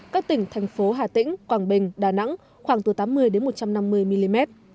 các tỉnh thành phố hà tĩnh quảng bình đà nẵng khoảng từ tám mươi một trăm năm mươi mm